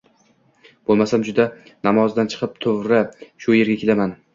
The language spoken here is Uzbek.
Bo‘lmasam, juma namozidan chiqib tuvri shu yerga kelaman